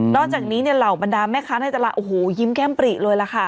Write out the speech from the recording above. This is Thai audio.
จากนี้เนี่ยเหล่าบรรดาแม่ค้าในตลาดโอ้โหยิ้มแก้มปริเลยล่ะค่ะ